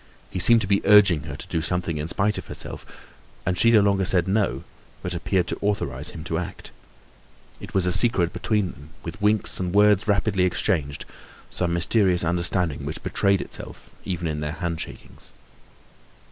He seemed to be urging her to do something in spite of herself; and she no longer said "no," but appeared to authorize him to act. It was as a secret between them, with winks and words rapidly exchanged, some mysterious understanding which betrayed itself even in their handshakings.